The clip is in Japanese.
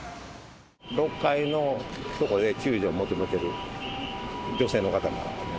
６階のとこで救助を求めてる女性の方が。